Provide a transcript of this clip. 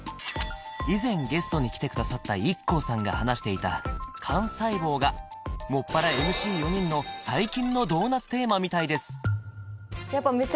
以前ゲストに来てくださったＩＫＫＯさんが話していた幹細胞がもっぱらＭＣ４人の最近のドーナツテーマみたいです